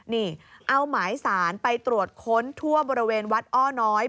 นี่เอาหมายสารไปตรวจค้นทั่วบริเวณวัดอ้อน้อย